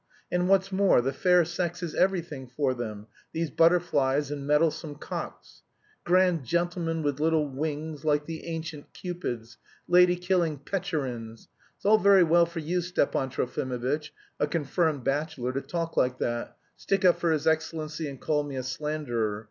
And what's more, the fair sex is everything for them, these butterflies and mettlesome cocks! Grand gentlemen with little wings like the ancient cupids, lady killing Petchorins! It's all very well for you, Stepan Trofimovitch, a confirmed bachelor, to talk like that, stick up for his excellency and call me a slanderer.